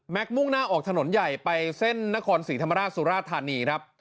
มุ่งหน้าออกถนนใหญ่ไปเส้นนครศรีธรรมราชสุราธานีครับ